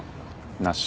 なし。